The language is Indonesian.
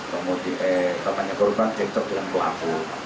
kemudian eh temannya korban cekcok dengan pelaku